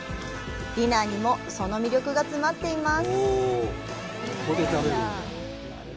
ディナーにもその魅力が詰まっています。